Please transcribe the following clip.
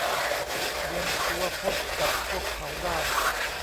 เตรียมตัวพบกับพวกเขาได้